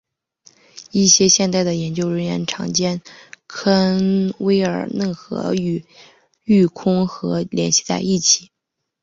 一些现代的研究人员常将科恩威尔嫩河与育空河联系在一起。